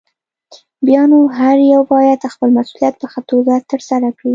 بيا نو هر يو بايد خپل مسؤليت په ښه توګه ترسره کړي.